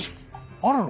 あるの？